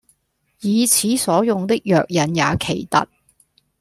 以此所用的藥引也奇特：